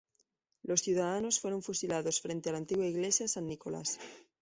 Los ciudadanos fueron fusilados frente a la antigua Iglesia San Nicolás.